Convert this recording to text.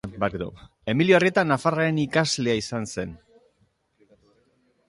Emilio Arrieta nafarraren ikaslea izan zen.